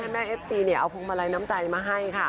แม่เอาพรงมาลัยน้ำใจมาให้ค่ะ